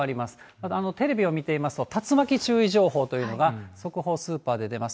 ただ、テレビを見ていますと、竜巻注意情報というのが速報スーパーで出ます。